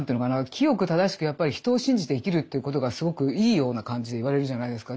清く正しくやっぱり人を信じて生きるということがすごくいいような感じで言われるじゃないですか。